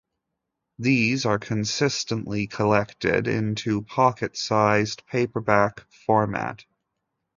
These are consistently collected into pocket-sized paperback format.